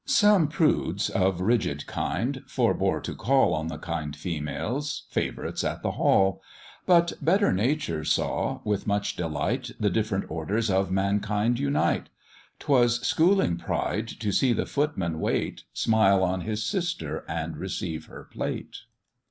"Some prudes, of rigid kind, forbore to call On the kind females favourites at the hall; But better nature saw, with much delight, The different orders of mankind unite: 'Twas schooling pride to see the footman wait, Smile on his sister and receive her plate.